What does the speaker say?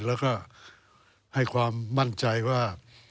แล้วก็ให้ความมั่นใจว่า